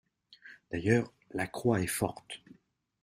D'ailleurs, la Croix est forte.